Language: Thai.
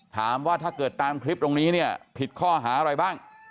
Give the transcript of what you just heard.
ถามว่าถ้าเกิดตามคลิปตรงนี้เนี่ยผิดข้อหาอะไรบ้าง